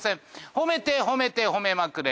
褒めて褒めて褒めまくれ！